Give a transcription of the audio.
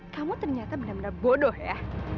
kamu ternyata benar benar bodoh ya